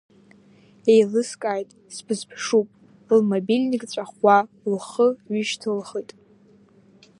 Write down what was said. Еилыскааит, сбызԥшуп, лмобильник ҵәахуа, лхы ҩышьҭылхит…